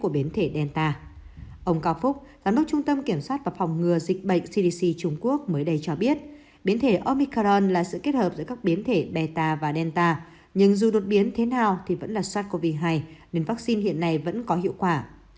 bộ trung tâm kiểm soát và phòng ngừa dịch bệnh cdc trung quốc mới đây cho biết biến thể omicron là sự kết hợp giữa các biến thể beta và delta nhưng dù đột biến thế nào thì vẫn là sars cov hai nên vaccine hiện nay vẫn có hiệu quả